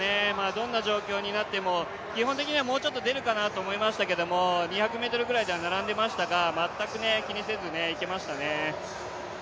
どんな状況になっても基本的にはもうちょっと出るかなと思いましたけれども、２００ｍぐらいでは並んでいましたが、全く気にせずいけましたね。